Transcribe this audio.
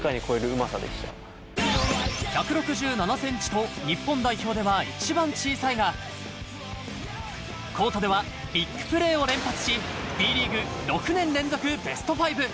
１６７ｃｍと日本代表では一番小さいが、コートではビッグプレーを連発し、Ｂリーグ６年連続ベスト５。